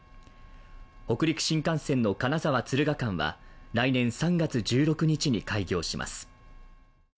北陸新幹線の金沢・敦賀間は来年３月１６日に開業します。